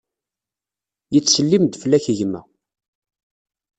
Yettsellim-d fell-ak gma.